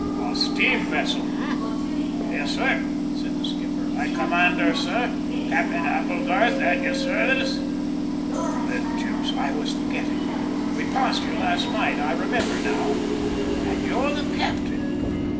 "A steam vessel, eh!" "Yes, sir," said the skipper. "I command her, sir. Cap'en Applegarth, at your service!" "The deuce! I was forgetting. We passed you last night, I remember now! and you're the captain?"